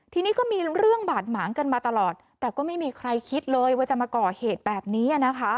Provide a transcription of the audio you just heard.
ทีนี้ก็มีเรื่องบาดหมางกันมาตลอดแต่ก็ไม่มีใครคิดเลยว่าจะมาก่อเหตุแบบนี้นะคะ